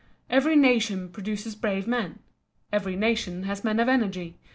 Every nation produces brave men. Every nation has men of energy.